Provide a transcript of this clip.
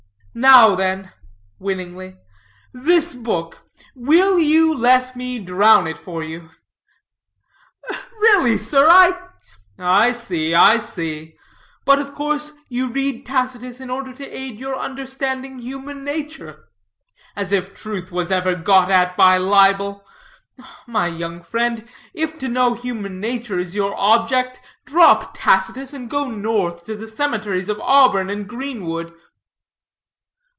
Now, then" (winningly), "this book will you let me drown it for you?" "Really, sir I " "I see, I see. But of course you read Tacitus in order to aid you in understanding human nature as if truth was ever got at by libel. My young friend, if to know human nature is your object, drop Tacitus and go north to the cemeteries of Auburn and Greenwood."